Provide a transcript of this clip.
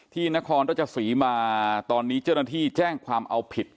นครราชศรีมาตอนนี้เจ้าหน้าที่แจ้งความเอาผิด